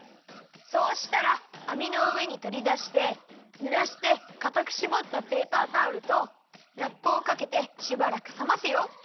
そうしたらあみのうえにとりだしてぬらしてかたくしぼったペーパータオルとラップをかけてしばらくさますよ。